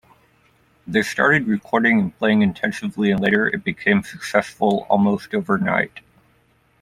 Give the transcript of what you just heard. They started recording and playing intensively and later it became successful almost overnight.